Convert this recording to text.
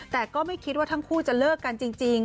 แต่ก็ไม่คิดว่าทั้งคู่จะเลิกกันจริง